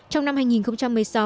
trong năm hai nghìn một mươi sáu